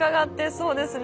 そうですね。